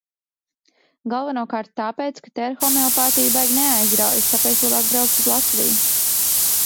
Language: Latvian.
Galvenokārt tāpēc, ka te ar homeopātiju baigi neaizraujas, tāpēc labāk braukt uz Latviju.